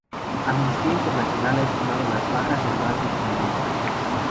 Amnistía Internacional ha estimado las bajas en más de quinientas.